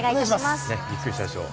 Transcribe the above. びっくりしたでしょう？